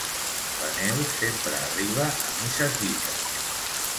La Neus sempre arriba a misses dites.